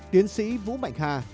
tiến sĩ vũ bạch hà